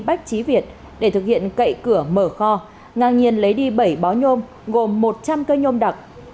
bách trí việt để thực hiện cậy cửa mở kho ngang nhiên lấy đi bảy bó nhôm gồm một trăm linh cây nhôm đặc